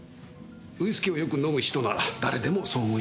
ウイスキーをよく飲む人なら誰でもそう思います。